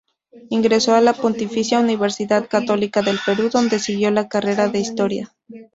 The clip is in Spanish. Ingresó a la Pontificia Universidad Católica del Perú, donde siguió la carrera de Historia.